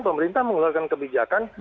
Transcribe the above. pemerintah mengeluarkan kebijakan